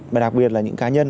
và đặc biệt là những cá nhân